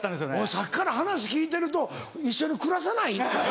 さっきから話聞いてると一緒に暮らさない？